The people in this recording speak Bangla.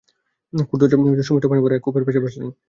খর্জুর কুঞ্জের ছায়ায় সুমিষ্ট পানি ভরা এক কুপের পাশে বসলেন।